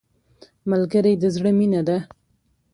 ملګری د زړه مینه ده